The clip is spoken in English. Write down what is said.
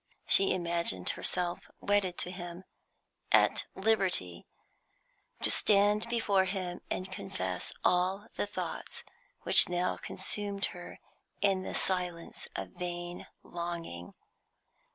She imagined herself wedded to him; at liberty to stand before him and confess all the thoughts which now consumed her in the silence of vain longing.